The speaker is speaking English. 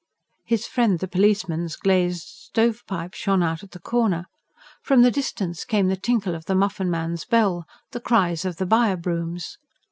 His friend the policeman's glazed stovepipe shone out at the corner; from the distance came the tinkle of the muffin man's bell, the cries of the buy a brooms.